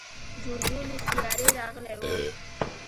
جوجو له سیارې راغلی و.